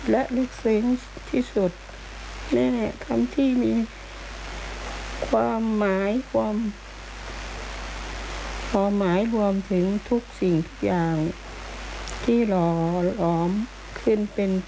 สัญญาจะเป็นลูกที่ดีของแม่ทุกวันทุกสันวันแม่